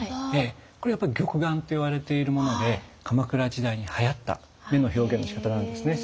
これはやっぱり玉眼といわれているもので鎌倉時代にはやった目の表現のしかたなんですね。